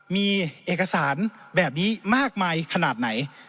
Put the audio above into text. มีเอกสารแบบนี้มากมายขนาดไหน